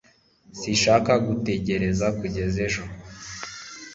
Sinshaka gutegereza kugeza ejo